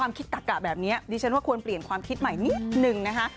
มันจะเปลี่ยนความคิดใหม่นิดหนึ่งนะคะ